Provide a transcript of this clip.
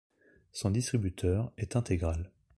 Son distributeur est Intégral.